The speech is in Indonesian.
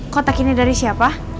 kotak ini dari siapa